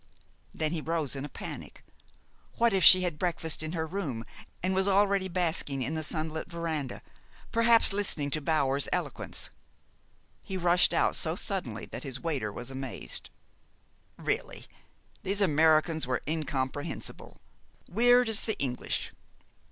Then he rose in a panic. What if she had breakfasted in her room, and was already basking in the sunlit veranda perhaps listening to Bower's eloquence? He rushed out so suddenly that his waiter was amazed. Really, these Americans were incomprehensible weird as the English.